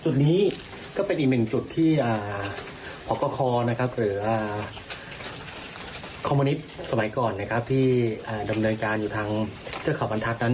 ที่ดำเนินการอยู่ทางเทศขวันทักนั้น